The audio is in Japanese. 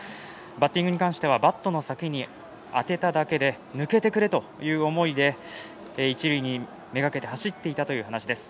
バッティングに関してはバットの先に当てただけで抜けてくれという思いで一塁めがけて走ったという話です。